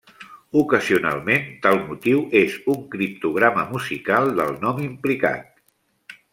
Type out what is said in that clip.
Ocasionalment tal motiu és un criptograma musical del nom implicat.